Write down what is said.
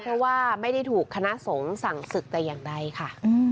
เพราะว่าไม่ได้ถูกคณะสงฆ์สั่งศึกแต่อย่างใดค่ะ